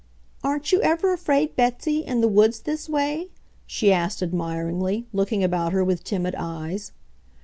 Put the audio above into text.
"Aren't you ever afraid, Betsy, in the woods this way?" she asked admiringly, looking about her with timid eyes.